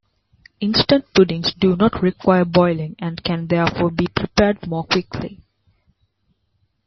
Instant puddings do not require boiling and can therefore be prepared more quickly.